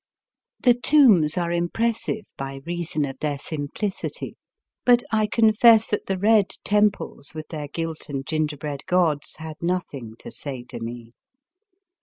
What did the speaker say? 263 The tombs axe impressive by reason of their simpKcity; but I confess that the red temples with their gilt and gingerbread gods had nothing to say to me.